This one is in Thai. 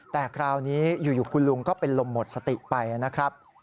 แต่คราวนี้อยู่คุณลุงก็เป็นลมหมดสติไปนะครับ